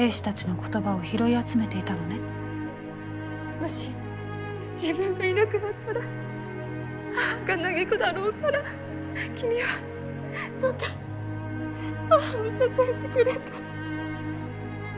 もし自分がいなくなったら母が嘆くだろうから君はどうか母を支えてくれと。